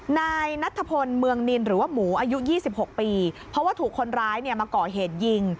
นายนัทธพลเมืองนินหรือว่าหมูอายุ๒๖ปีเพราะว่าถูกคนร้ายเนี่ยมาก่อเหตุยิง